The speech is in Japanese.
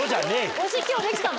推し今日できたの？